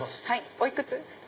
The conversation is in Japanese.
おいくつ？